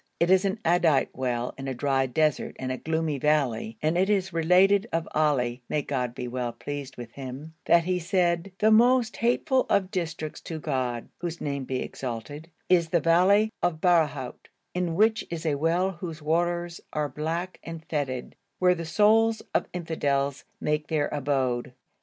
It is an Addite well in a dry desert and a gloomy valley, and it is related of Ali (may God be well pleased with him) that he said, "The most hateful of districts to God (whose name be exalted) is the valley of Barahout, in which is a well whose waters are black and foetid, where the souls of infidels make their abode."'